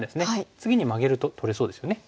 次にマゲると取れそうですよね。